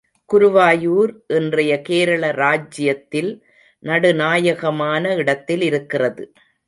குருவாயூர் இன்றைய கேரள ராஜ்ஜியத்தில் நடுநாயகமான இடத்தில் இருக்கிறது.